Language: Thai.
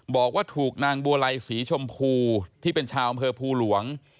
บอกว่าถูกนางบัวไรสีชมพูที่เป็นชาวบภูหลวง